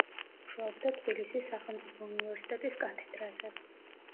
მუშაობდა თბილისის სახელმწიფო უნივერსიტეტის კათედრაზე.